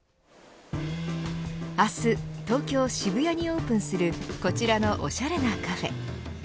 明日、東京渋谷にオープンするこちらのおしゃれなカフェ。